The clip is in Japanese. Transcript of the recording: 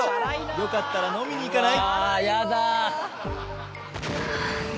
「よかったら飲みに行かない？」